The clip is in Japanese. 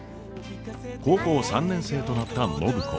高校３年生となった暢子。